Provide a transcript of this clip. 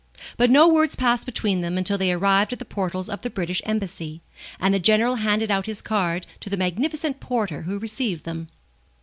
But no words passed between them until they arrived at the portals of the British Embassy, and the General handed out his card to the magnificent porter who received them.